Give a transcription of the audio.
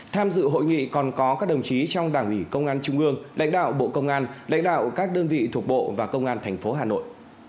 tham dự hội nghị còn có các đồng chí trong đảng ủy công an trung ương lãnh đạo bộ công an lãnh đạo các đơn vị thuộc bộ và công an tp hà nội